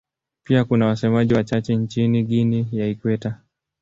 Pia kuna wasemaji wachache nchini Guinea ya Ikweta.